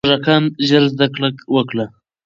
هغه موږکان ژر زده کړه وکړه.